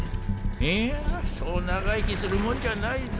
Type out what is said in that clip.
いいやそう長生きするもんじゃないぞ。